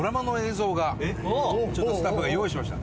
ちょっとスタッフが用意しました。